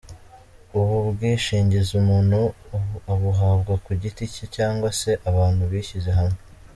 Ubu bwishingizi umuntu abuhabwa ku giti cye cyangwa se abantu bishyize hamwe.